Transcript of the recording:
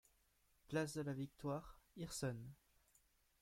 Place de la Victoire, Hirson